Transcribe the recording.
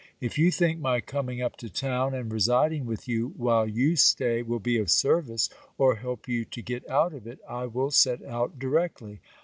If you think my coming up to town, and residing with you, while you stay, will be of service, or help you to get out of it, I will set out directly.